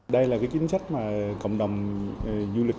đây là cái chính sách mà cộng đồng du lịch